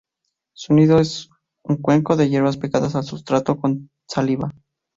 Su nido es un cuenco de hierbas pegadas al sustrato con saliva.